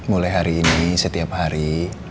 mulai hari ini setiap hari